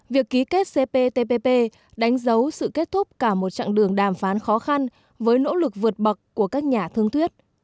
việc ký kết cptpp đánh dấu sự kết thúc cả một chặng đường đàm phán khó khăn với nỗ lực vượt bậc của các nhà thương thuyết